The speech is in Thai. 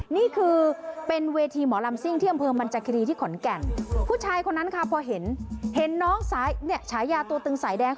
นี่คือเป็นเวทีหมอลำซิ่งที่อำเภอมันจักรีที่ขอนแก่นผู้ชายคนนั้นค่ะพอเห็นเห็นน้องเนี่ยฉายาตัวตึงสายแดง